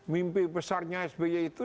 mimpi besarnya sby itu